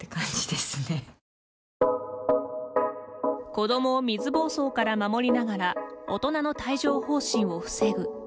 子どもを水ぼうそうから守りながら大人の帯状ほう疹を防ぐ。